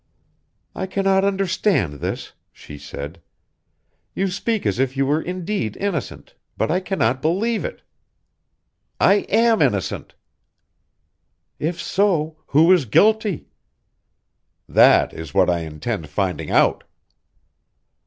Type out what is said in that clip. "I cannot understand this," she said. "You speak as if you were indeed innocent, but I cannot believe it!" "I am innocent!" "If so, who is guilty?" "That is what I intend finding out."